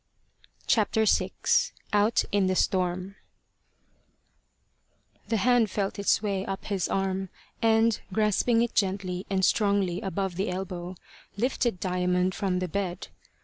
CHAPTER VI. OUT IN THE STORM THE hand felt its way up his arm, and, grasping it gently and strongly above the elbow, lifted Diamond from the bed.